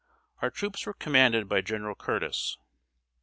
Our troops were commanded by General Curtis.